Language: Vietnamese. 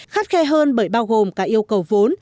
khắt khe hơn bởi bao gồm cả yêu cầu vốn